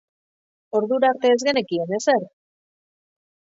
Ordura arte ez genekien ezer!